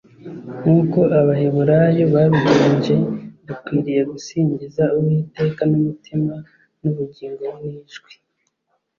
nk’uko abaheburayo babigenje, dukwiriye gusingiza uwiteka n’umutima n’ubugingo n’ijwi